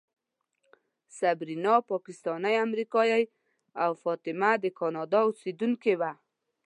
صبرینا پاکستانۍ امریکایۍ او فاطمه د کاناډا اوسېدونکې وه.